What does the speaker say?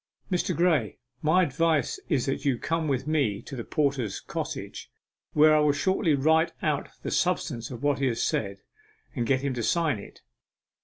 Mr. Graye, my advice is that you come with me to the porter's cottage, where I will shortly write out the substance of what he has said, and get him to sign it.